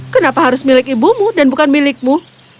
kenapa harus milik ibumu dan bukan milikmu